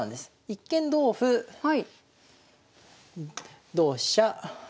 一見同歩同飛車